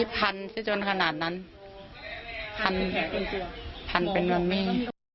ฟันเป็นนมมิ